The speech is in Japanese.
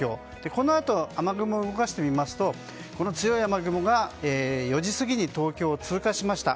このあと雨雲を動かしてみますとこの強い雨雲が４時過ぎに東京を通過しました。